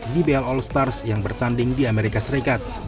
dbl all stars yang bertanding di amerika serikat